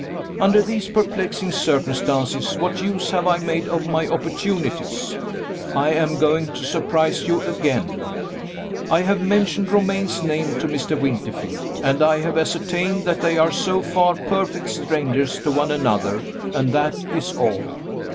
Under these perplexing circumstances, what use have I made of my opportunities? I am going to surprise you again I have mentioned Romayne's name to Mr. Winterfield; and I have ascertained that they are, so far, perfect strangers to one another and that is all.